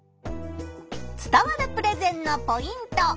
伝わるプレゼンのポイント。